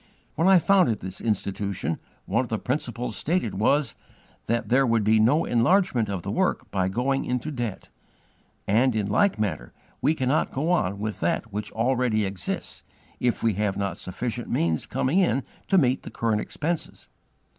When I founded this Institution, one of the principles stated was, 'that there would be no enlargement of the work by going into debt': and in like manner we cannot go on with that which already exists if we have not sufficient means coming in to meet the current expenses."